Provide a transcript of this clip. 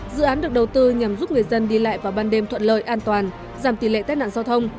dự án được đầu tư nhằm giúp người dân đi lại vào ban đêm thuận lợi an toàn giảm tỷ lệ tết nạn giao thông